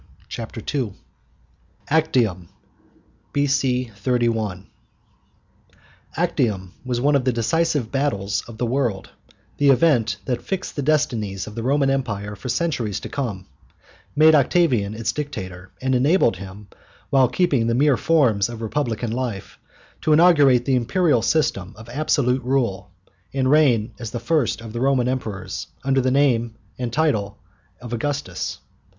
CHAPTER II ACTIUM B.C. 31 Actium was one of the decisive battles of the world the event that fixed the destinies of the Roman Empire for centuries to come, made Octavian its dictator, and enabled him, while keeping the mere forms of Republican life, to inaugurate the imperial system of absolute rule, and reign as the first of the Roman Emperors, under the name and title of Augustus.